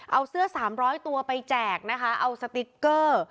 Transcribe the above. เอาเสื้อ๓๐๐ตัวไปแจกนะคะเอาสติ๊กเกอร์